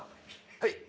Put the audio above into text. はい。